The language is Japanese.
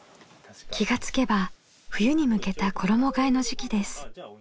気が付けば冬に向けた衣がえの時期です。